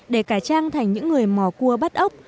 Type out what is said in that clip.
để cả trang thành những người mò cua bắt ốc